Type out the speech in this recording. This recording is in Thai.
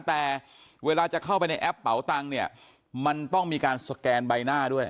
แต่เวลาจะเข้าไปในแอปเป๋าตังค์เนี่ยมันต้องมีการสแกนใบหน้าด้วย